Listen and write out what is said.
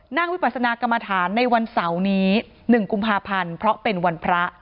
วิปัสนากรรมฐานในวันเสาร์นี้๑กุมภาพันธ์เพราะเป็นวันพระ